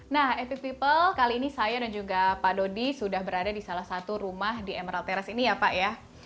nah epic people kali ini saya dan juga pak dodi sudah berada di salah satu rumah di emerald terrace ini ya pak ya